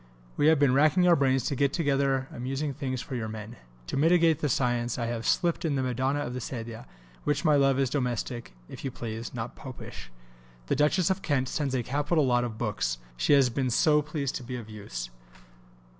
We have been racking our brains to get together amusing things for your men.... To mitigate the science I have slipped in the Madonna of the Sedia; which, my love, is domestic, if you please, not Popish. The Duchess of Kent sends a capital lot of books; she has been so pleased to be of use.